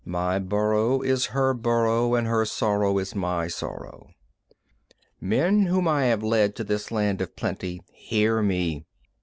My burrow is her burrow, and her sorrow, my sorrow. "Men whom I have led to this land of plenty, hear me.